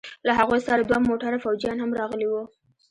له هغوى سره دوه موټره فوجيان هم راغلي وو.